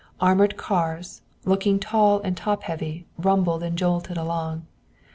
Armored cars, looking tall and top heavy, rumbled and jolted along.